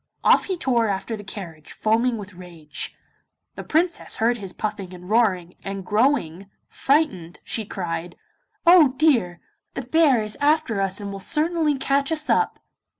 Off he tore after the carriage, foaming with rage. The Princess heard his puffing and roaring, and growing frightened she cried: 'Oh dear! the bear is after us and will certainly catch us up!